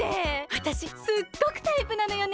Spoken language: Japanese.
わたしすっごくタイプなのよね。